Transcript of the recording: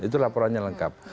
itu laporannya lengkap